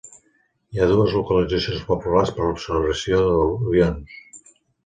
Hi ha dues localitzacions populars per a l'observació d'avions.